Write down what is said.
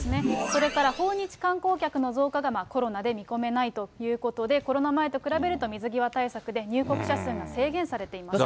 それから訪日観光客の増加がコロナで見込めないということで、コロナ前と比べると、水際対策で入国者数が制限されています。